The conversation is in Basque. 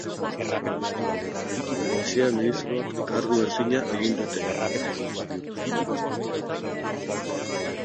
Goizean, ministroak karguen zina egin dute.